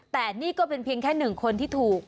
แต่นี่ก็เป็นเพียงแค่หนึ่งคนที่ถูก